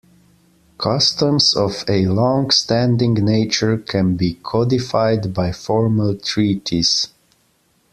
Customs of a longstanding nature can be codified by formal treaties.